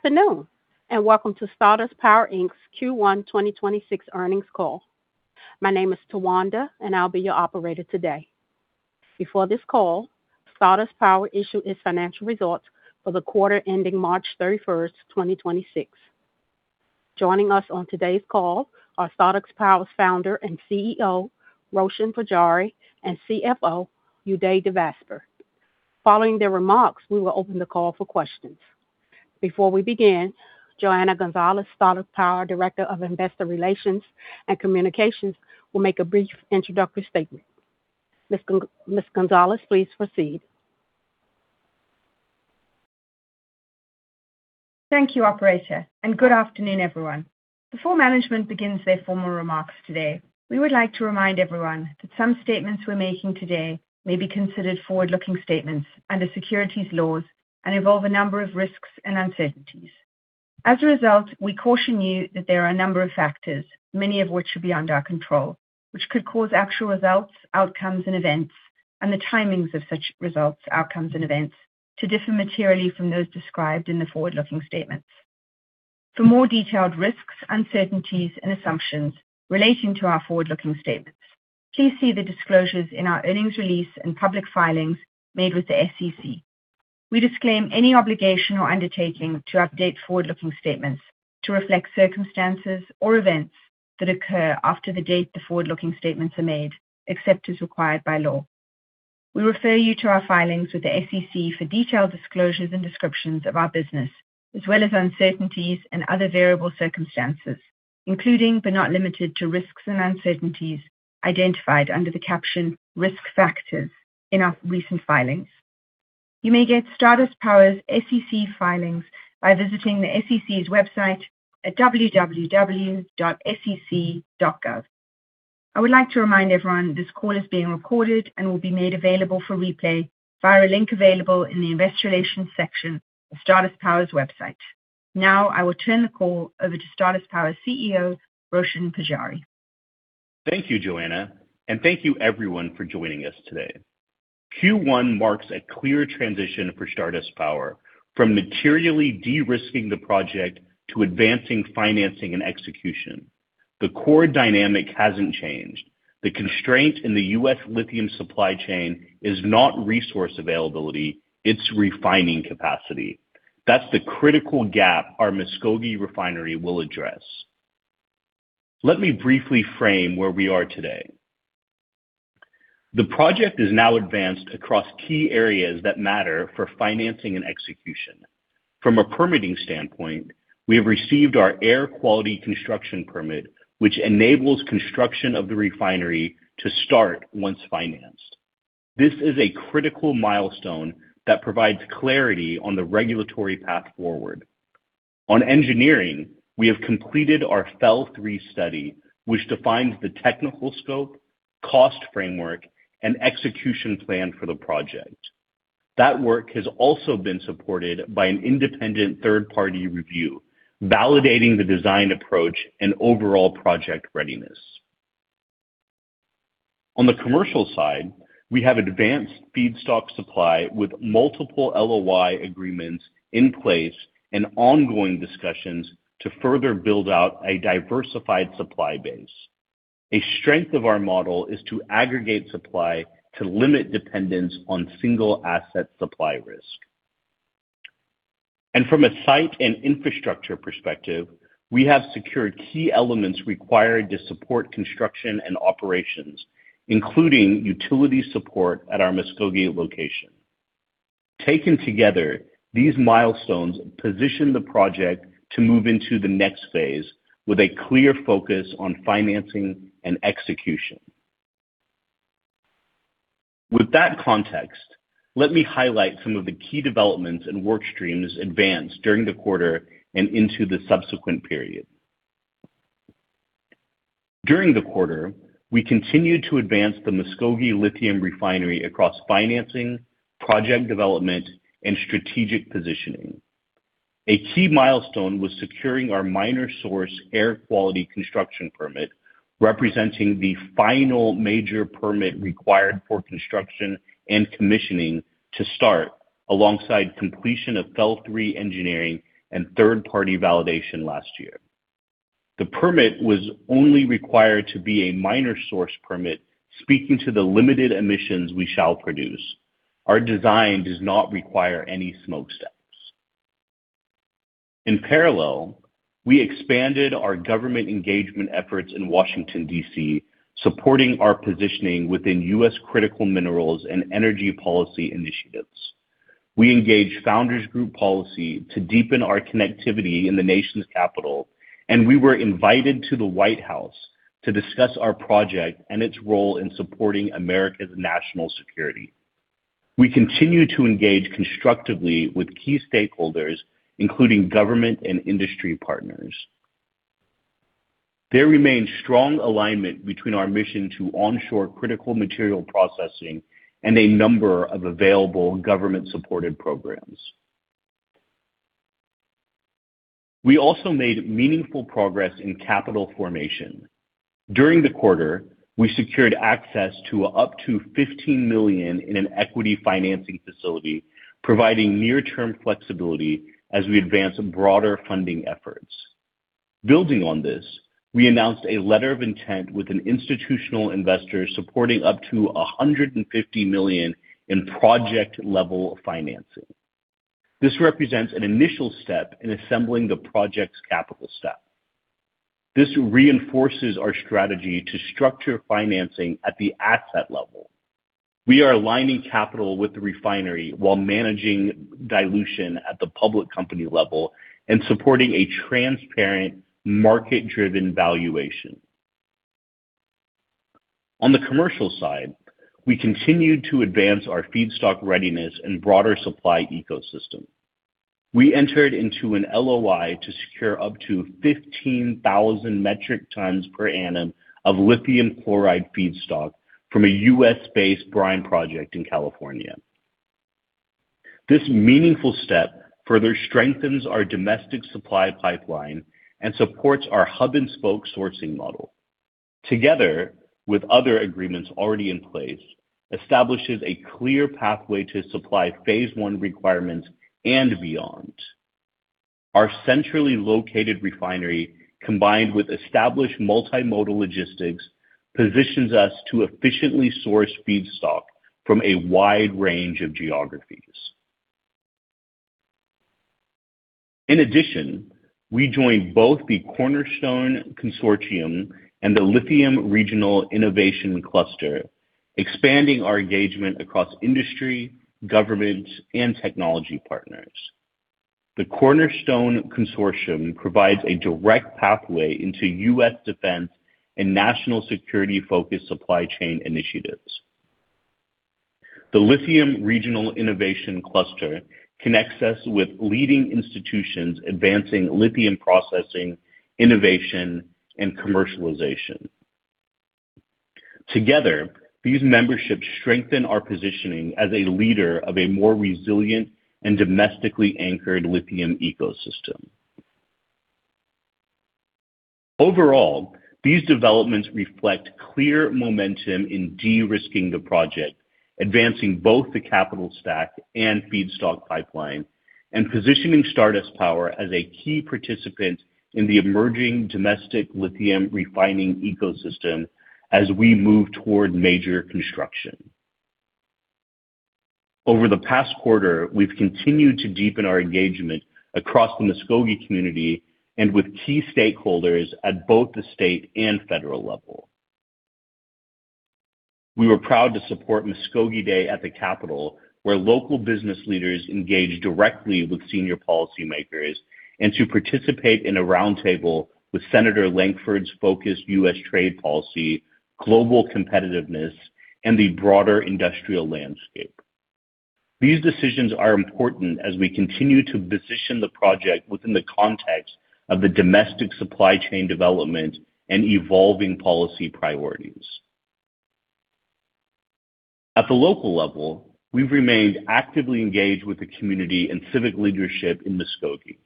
Good afternoon, and welcome to Stardust Power Inc.'s Q1 2026 earnings call. My name is Tawanda, and I'll be your operator today. Before this call, Stardust Power issued its financial results for the quarter ending March 31st, 2026. Joining us on today's call are Stardust Power's Founder and CEO, Roshan Pujari, and CFO, Uday Devasper. Following their remarks, we will open the call for questions. Before we begin, Johanna Gonzalez, Stardust Power Director of Investor Relations and Communications, will make a brief introductory statement. Ms. Gonzalez, please proceed. Thank you, operator, and good afternoon, everyone. Before management begins their formal remarks today, we would like to remind everyone that some statements we're making today may be considered forward-looking statements under securities laws and involve a number of risks and uncertainties. As a result, we caution you that there are a number of factors, many of which are beyond our control, which could cause actual results, outcomes, and events, and the timings of such results, outcomes, and events to differ materially from those described in the forward-looking statements. For more detailed risks, uncertainties and assumptions relating to our forward-looking statements, please see the disclosures in our earnings release and public filings made with the SEC. We disclaim any obligation or undertaking to update forward-looking statements to reflect circumstances or events that occur after the date the forward-looking statements are made, except as required by law. We refer you to our filings with the SEC for detailed disclosures and descriptions of our business, as well as uncertainties and other variable circumstances, including, but not limited to, risks and uncertainties identified under the caption Risk Factors in our recent filings. You may get Stardust Power's SEC filings by visiting the SEC's website at www.sec.gov. I would like to remind everyone this call is being recorded and will be made available for replay via a link available in the investor relations section of Stardust Power's website. Now, I will turn the call over to Stardust Power CEO, Roshan Pujari. Thank you, Johanna, thank you everyone for joining us today. Q1 marks a clear transition for Stardust Power from materially de-risking the project to advancing financing and execution. The core dynamic hasn't changed. The constraint in the U.S. lithium supply chain is not resource availability, it's refining capacity. That's the critical gap our Muskogee refinery will address. Let me briefly frame where we are today. The project is now advanced across key areas that matter for financing and execution. From a permitting standpoint, we have received our air quality construction permit, which enables construction of the refinery to start once financed. This is a critical milestone that provides clarity on the regulatory path forward. On engineering, we have completed our FEL 3 study, which defines the technical scope, cost framework, and execution plan for the project. That work has also been supported by an independent third-party review, validating the design approach and overall project readiness. On the commercial side, we have advanced feedstock supply with multiple LOI agreements in place and ongoing discussions to further build out a diversified supply base. A strength of our model is to aggregate supply to limit dependence on single asset supply risk. From a site and infrastructure perspective, we have secured key elements required to support construction and operations, including utility support at our Muskogee location. Taken together, these milestones position the project to move into the next phase with a clear focus on financing and execution. With that context, let me highlight some of the key developments and work streams advanced during the quarter and into the subsequent period. During the quarter, we continued to advance the Muskogee Lithium Refinery across financing, project development, and strategic positioning. A key milestone was securing our minor source air quality construction permit, representing the final major permit required for construction and commissioning to start alongside completion of FEL 3 engineering and third-party validation last year. The permit was only required to be a minor source permit, speaking to the limited emissions we shall produce. Our design does not require any smoke stacks. In parallel, we expanded our government engagement efforts in Washington, D.C., supporting our positioning within U.S. critical minerals and energy policy initiatives. We engaged Founders Group Policy to deepen our connectivity in the nation's capital, and we were invited to the White House to discuss our project and its role in supporting America's national security. We continue to engage constructively with key stakeholders, including government and industry partners. There remains strong alignment between our mission to onshore critical material processing and a number of available government-supported programs. We also made meaningful progress in capital formation. During the quarter, we secured access to up to $15 million in an equity financing facility, providing near-term flexibility as we advance broader funding efforts. Building on this, we announced a letter of intent with an institutional investor supporting up to $150 million in project-level financing. This represents an initial step in assembling the project's capital stack. This reinforces our strategy to structure financing at the asset level. We are aligning capital with the refinery while managing dilution at the public company level and supporting a transparent market-driven valuation. On the commercial side, we continued to advance our feedstock readiness and broader supply ecosystem. We entered into an LOI to secure up to 15,000 metric tons per annum of lithium chloride feedstock from a U.S.-based brine project in California. This meaningful step further strengthens our domestic supply pipeline and supports our hub-and-spoke sourcing model. Together, with other agreements already in place, establishes a clear pathway to supply phase one requirements and beyond. Our centrally located refinery, combined with established multimodal logistics, positions us to efficiently source feedstock from a wide range of geographies. In addition, we joined both the Cornerstone Consortium and the Lithium Regional Innovation Cluster, expanding our engagement across industry, government, and technology partners. The Cornerstone Consortium provides a direct pathway into U.S. Defense and National Security-focused supply chain initiatives. The Lithium Regional Innovation Cluster connects us with leading institutions advancing lithium processing, innovation, and commercialization. Together, these memberships strengthen our positioning as a leader of a more resilient and domestically anchored lithium ecosystem. Overall, these developments reflect clear momentum in de-risking the project, advancing both the capital stack and feedstock pipeline, and positioning Stardust Power as a key participant in the emerging domestic lithium refining ecosystem as we move toward major construction. Over the past quarter, we've continued to deepen our engagement across the Muskogee community and with key stakeholders at both the state and federal level. We were proud to support Muskogee Day at the Capitol, where local business leaders engaged directly with senior policymakers, and to participate in a roundtable with Senator Lankford's focused U.S. trade policy, global competitiveness, and the broader industrial landscape. These decisions are important as we continue to position the project within the context of the domestic supply chain development and evolving policy priorities. At the local level, we've remained actively engaged with the community and civic leadership in Muskogee.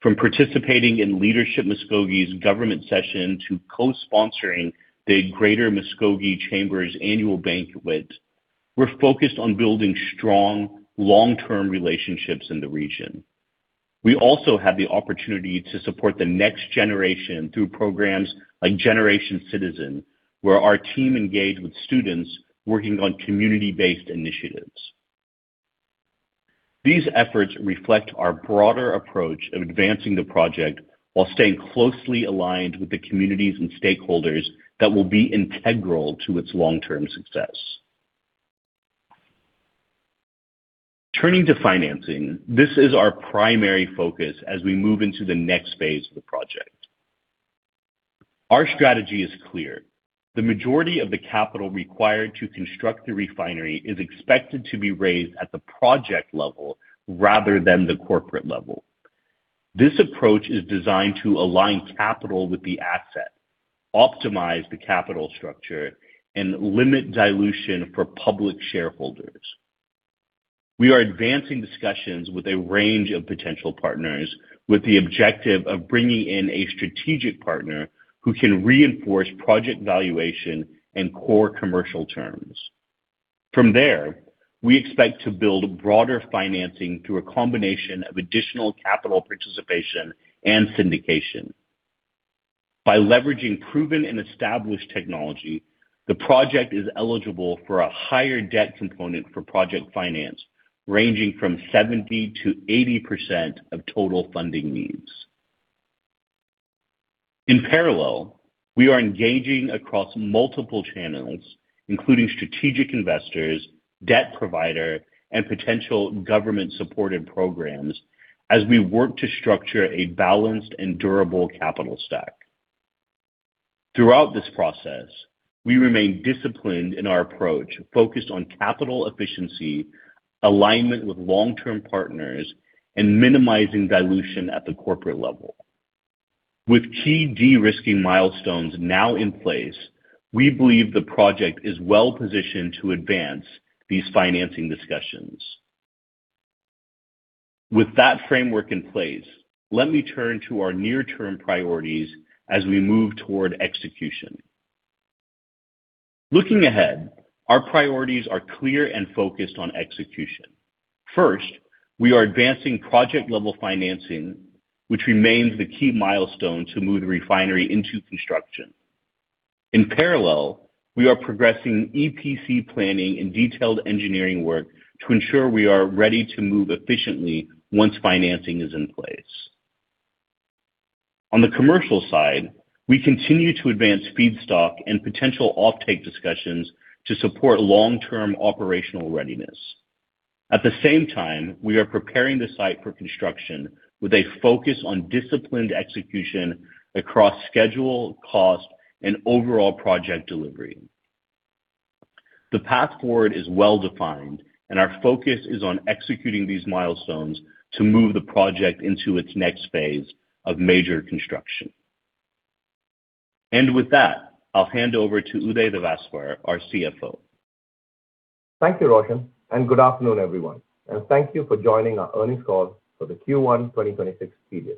From participating in Leadership Muskogee's government session to co-sponsoring the Greater Muskogee Chamber's annual banquet, we're focused on building strong, long-term relationships in the region. We also had the opportunity to support the next generation through programs like Generation Citizen, where our team engaged with students working on community-based initiatives. These efforts reflect our broader approach of advancing the project while staying closely aligned with the communities and stakeholders that will be integral to its long-term success. Turning to financing, this is our primary focus as we move into the next phase of the project. Our strategy is clear. The majority of the capital required to construct the refinery is expected to be raised at the project level rather than the corporate level. This approach is designed to align capital with the asset, optimize the capital structure, and limit dilution for public shareholders. We are advancing discussions with a range of potential partners with the objective of bringing in a strategic partner who can reinforce project valuation and core commercial terms. From there, we expect to build broader financing through a combination of additional capital participation and syndication. By leveraging proven and established technology, the project is eligible for a higher debt component for project finance, ranging from 70%-80% of total funding needs. In parallel, we are engaging across multiple channels, including strategic investors, debt provider, and potential government-supported programs as we work to structure a balanced and durable capital stack. Throughout this process, we remain disciplined in our approach, focused on capital efficiency, alignment with long-term partners, and minimizing dilution at the corporate level. With key de-risking milestones now in place, we believe the project is well-positioned to advance these financing discussions. With that framework in place, let me turn to our near-term priorities as we move toward execution. Looking ahead, our priorities are clear and focused on execution. First, we are advancing project-level financing, which remains the key milestone to move the refinery into construction. In parallel, we are progressing EPC planning and detailed engineering work to ensure we are ready to move efficiently once financing is in place. On the commercial side, we continue to advance feedstock and potential offtake discussions to support long-term operational readiness. At the same time, we are preparing the site for construction with a focus on disciplined execution across schedule, cost, and overall project delivery. The path forward is well-defined, and our focus is on executing these milestones to move the project into its next phase of major construction. With that, I'll hand over to Uday Devasper, our CFO. Thank you, Roshan, good afternoon, everyone. Thank you for joining our earnings call for the Q1 2026 period.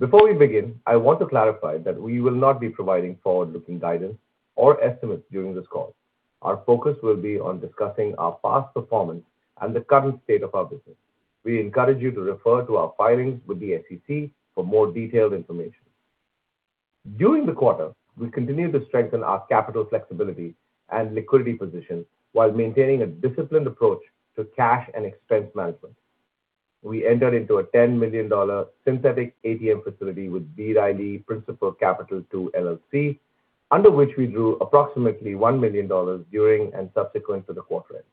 Before we begin, I want to clarify that we will not be providing forward-looking guidance or estimates during this call. Our focus will be on discussing our past performance and the current state of our business. We encourage you to refer to our filings with the SEC for more detailed information. During the quarter, we continued to strengthen our capital flexibility and liquidity position while maintaining a disciplined approach to cash and expense management. We entered into a $10 million synthetic ATM facility with B. Riley Principal Capital II, LLC, under which we drew approximately $1 million during and subsequent to the quarter end,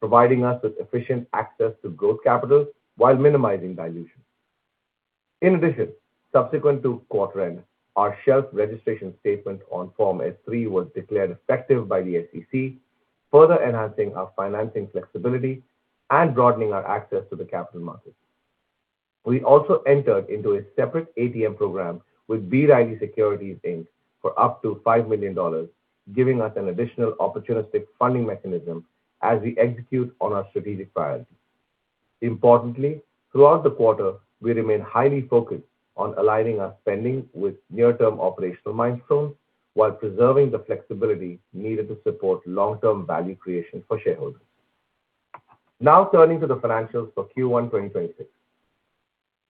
providing us with efficient access to growth capital while minimizing dilution. In addition, subsequent to quarter end, our shelf registration statement on Form S-3 was declared effective by the SEC, further enhancing our financing flexibility and broadening our access to the capital markets. We also entered into a separate ATM program with B. Riley Securities, Inc. for up to $5 million, giving us an additional opportunistic funding mechanism as we execute on our strategic priorities. Importantly, throughout the quarter, we remain highly focused on aligning our spending with near-term operational milestones while preserving the flexibility needed to support long-term value creation for shareholders. Now turning to the financials for Q1 2026.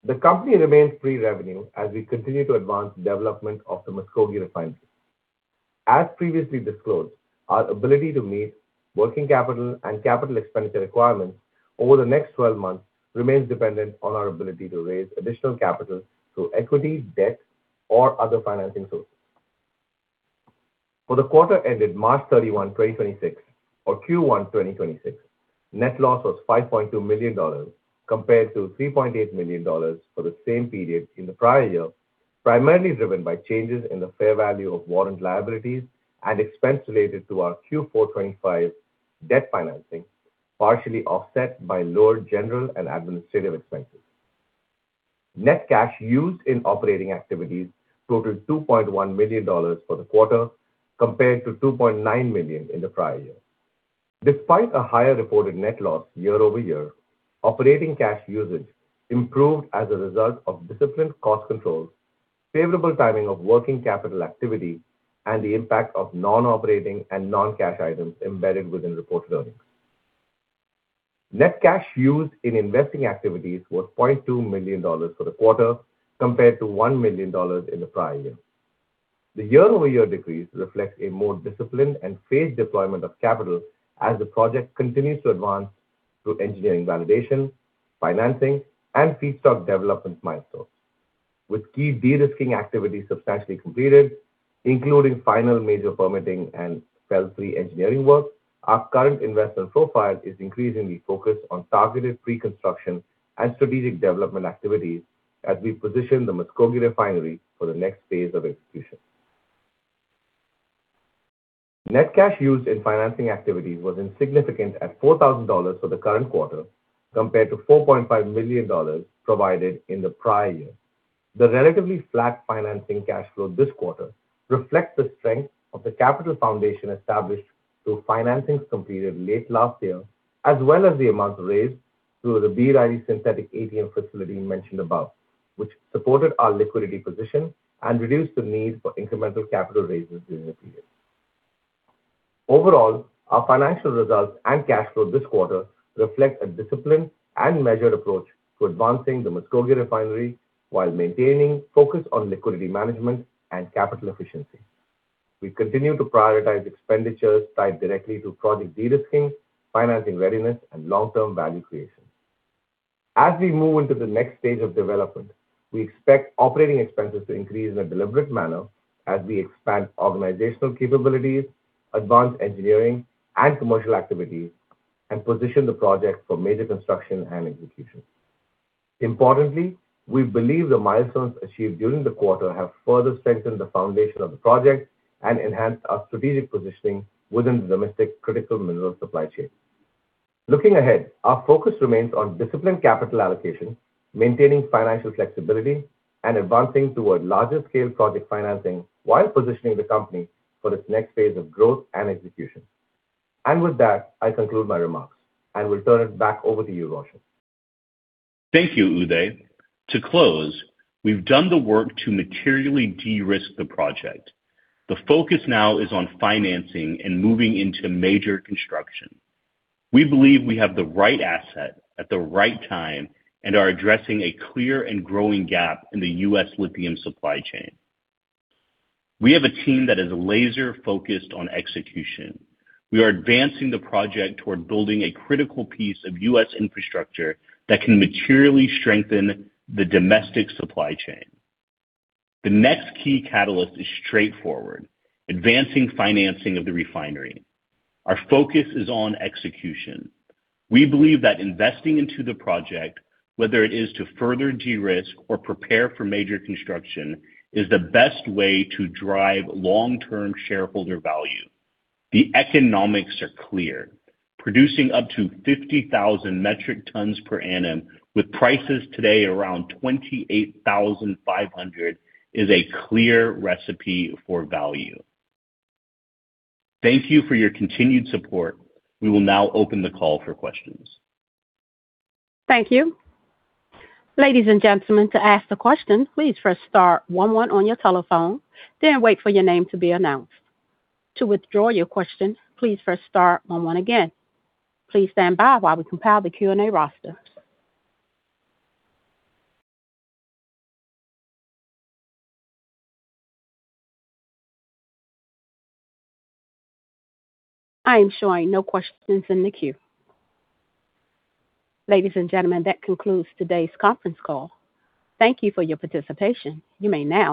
The company remains pre-revenue as we continue to advance development of the Muskogee refinery. As previously disclosed, our ability to meet working capital and capital expenditure requirements over the next 12 months remains dependent on our ability to raise additional capital through equity, debt, or other financing sources. For the quarter ended March 31, 2026, or Q1 2026, net loss was $5.2 million compared to $3.8 million for the same period in the prior year, primarily driven by changes in the fair value of warrant liabilities and expense related to our Q4 2025 debt financing, partially offset by lower general and administrative expenses. Net cash used in operating activities totaled $2.1 million for the quarter, compared to $2.9 million in the prior year. Despite a higher reported net loss year-over-year, operating cash usage improved as a result of disciplined cost controls, favorable timing of working capital activity, and the impact of non-operating and non-cash items embedded within reported earnings. Net cash used in investing activities was $0.2 million for the quarter, compared to $1 million in the prior year. The year-over-year decrease reflects a more disciplined and phased deployment of capital as the project continues to advance through engineering validation, financing, and feedstock development milestones. With key de-risking activities substantially completed, including final major permitting and FEL 3 engineering work, our current investment profile is increasingly focused on targeted preconstruction and strategic development activities as we position the Muskogee Refinery for the next phase of execution. Net cash used in financing activities was insignificant at $4,000 for the current quarter, compared to $4.5 million provided in the prior year. The relatively flat financing cash flow this quarter reflects the strength of the capital foundation established through financings completed late last year, as well as the amounts raised through the B. Riley synthetic ATM facility mentioned above, which supported our liquidity position and reduced the need for incremental capital raises during the period. Overall, our financial results and cash flow this quarter reflect a disciplined and measured approach to advancing the Muskogee Refinery while maintaining focus on liquidity management and capital efficiency. We continue to prioritize expenditures tied directly to project de-risking, financing readiness, and long-term value creation. As we move into the next stage of development, we expect operating expenses to increase in a deliberate manner as we expand organizational capabilities, advance engineering and commercial activities, and position the project for major construction and execution. Importantly, we believe the milestones achieved during the quarter have further strengthened the foundation of the project and enhanced our strategic positioning within the domestic critical mineral supply chain. Looking ahead, our focus remains on disciplined capital allocation, maintaining financial flexibility, and advancing toward larger-scale project financing while positioning the company for its next phase of growth and execution. With that, I conclude my remarks. I will turn it back over to you, Roshan. Thank you, Uday. To close, we've done the work to materially de-risk the project. The focus now is on financing and moving into major construction. We believe we have the right asset at the right time and are addressing a clear and growing gap in the U.S. lithium supply chain. We have a team that is laser-focused on execution. We are advancing the project toward building a critical piece of U.S. infrastructure that can materially strengthen the domestic supply chain. The next key catalyst is straightforward, advancing financing of the refinery. Our focus is on execution. We believe that investing into the project, whether it is to further de-risk or prepare for major construction, is the best way to drive long-term shareholder value. The economics are clear. Producing up to 50,000 metric tons per annum with prices today around $28,500 is a clear recipe for value. Thank you for your continued support. We will now open the call for questions. Thank you. Ladies and gentlemen, to ask a question, please press star one one on your telephone, then wait for your name to be announced. To withdraw your question, please press star one one again. Please stand by while we compile the Q&A roster. I am showing no questions in the queue. Ladies and gentlemen, that concludes today's conference call. Thank you for your participation. You may now disconnect.